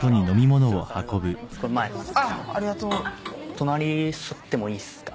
隣座ってもいいですか？